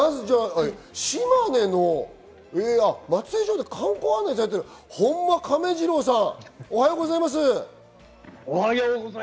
島根の松江城で観光案内をされている、本間亀二郎さん、おはようございます。